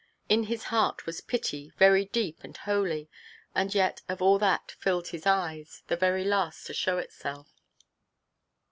In his heart was pity, very deep and holy; and yet, of all that filled his eyes, the very last to show itself.